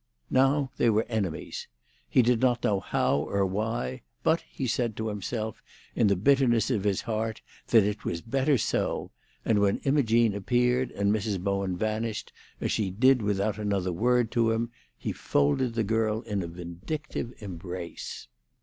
Now they were enemies; he did not know how or why, but he said to himself, in the bitterness of his heart, that it was better so; and when Imogene appeared, and Mrs. Bowen vanished, as she did without another word to him, he folded the girl in a vindictive embrace.